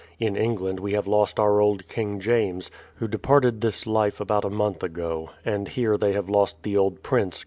In England we have lost our old King James, who departed this life about a month ago ; and here thej' have lost the old prince.